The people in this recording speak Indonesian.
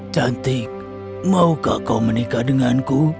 cantik maukah kau menikah denganku